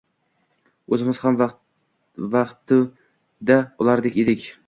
O`zimiz ham vaqtidaulardek edik